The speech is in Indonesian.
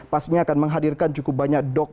pastinya akan menghadirkan cukup banyak dok